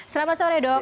selamat sore dok